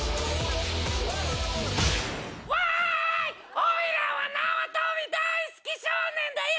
おいらは縄跳び大好き少年だよ！